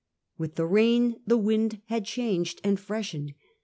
With the rain the wind had changed and freshened.